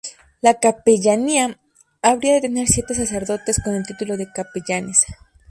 La capellanía había de tener siete sacerdotes con el título de capellanes.